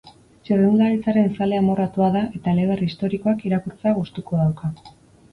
Txirrindularitzaren zale amorratua da eta eleberri historikoak irakurtzea gustuko dauka.